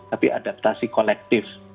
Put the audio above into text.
tapi adaptasi kolektif